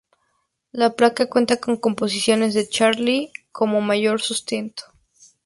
La placa cuenta con composiciones de Charly como mayor sustento.